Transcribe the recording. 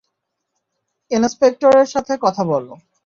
ইনস্পেক্টরের সাথে কথা বলো।